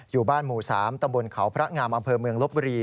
อยู่บ้านหมู่๓ตำบลเขาพระงามอำเภอเมืองลบบุรี